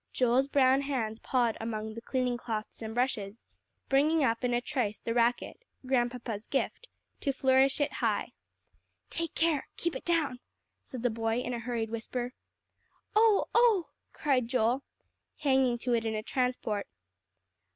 Joel's brown hands pawed among the cleaning cloths and brushes, bringing up in a trice the racket, Grandpapa's gift, to flourish it high. "Take care; keep it down," said the boy in a hurried whisper. "Oh, oh!" cried Joel, hanging to it in a transport.